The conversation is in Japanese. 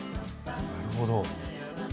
なるほど。